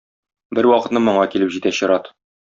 Бервакытны моңа килеп җитә чират.